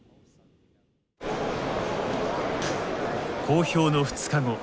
公表の２日後。